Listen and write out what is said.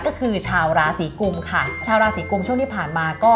ก็คือชาวราศีกุมค่ะชาวราศีกุมช่วงที่ผ่านมาก็